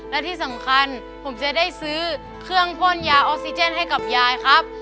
และที่สำคัญผมจะได้ซื้อเครื่องพ่นยาออกซิเจนให้กับยายครับ